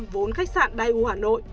vốn khách sạn dai u hà nội